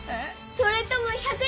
それとも１００Ｌ？